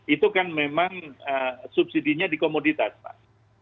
itu kan memang subsidinya dikomoditas pak